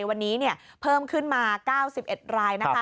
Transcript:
วันนี้เพิ่มขึ้นมา๙๑รายนะคะ